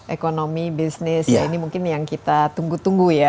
ekonomi bisnis ini mungkin yang kita tunggu tunggu ya